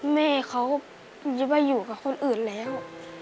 แม่เขาจะไปอยู่กับคนอื่นแล้ว